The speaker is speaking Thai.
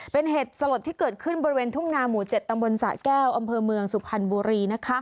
เป็นเหตุสลดที่เกิดขึ้นบริเวณทุ่งนาหมู่๗ตำบลสะแก้วอำเภอเมืองสุพรรณบุรี